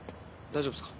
大丈夫ですか？